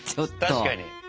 確かに。